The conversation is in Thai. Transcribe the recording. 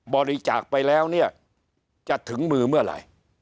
บริจาคไปแล้วเนี่ยจะถึงมือเมื่อไหร่